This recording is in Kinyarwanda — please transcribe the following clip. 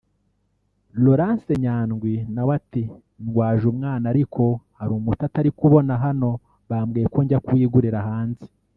Laurence Nyandwi na we ati “Ndwaje umwana ariko hari umuti atari kubona hano bambwiye ko njya kuwigurira hanze